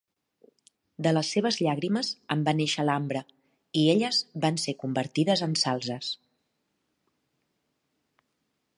De les seves llàgrimes en va néixer l'ambre, i elles van ser convertides en salzes.